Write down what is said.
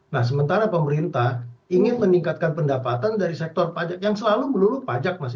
nah sementara pemerintah ingin meningkatkan pendapatan dari sektor pajak yang selalu melulu pajak mas